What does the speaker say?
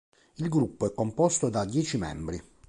Il gruppo è composto da dieci membri.